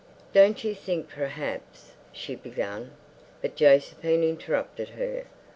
"Don't you think perhaps—" she began. But Josephine interrupted her.